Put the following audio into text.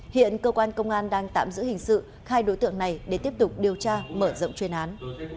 hiện cơ quan công an đang tạm giữ hình sự hai đối tượng này để tiếp tục điều tra mở rộng chuyên án